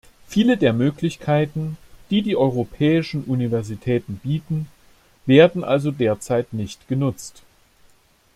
Viele der Möglichkeiten, die die europäischen Universitäten bieten, werden also derzeit nicht genutzt.